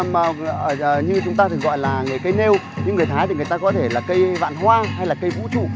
mình gọi là người cây nêu nhưng người thái thì người ta có thể là cây vạn hoa hay là cây vũ trụ